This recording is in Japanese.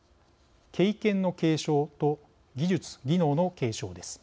経験の継承と技術・技能の継承です。